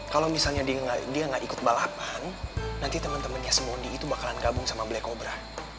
kalau misalnya dia gak ikut balapan nanti temen temennya se mondi itu bakalan gabung sama black cobra